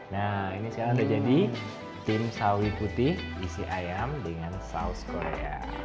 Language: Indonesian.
nah ini sekarang sudah jadi tim sawi putih isi ayam dengan saus korea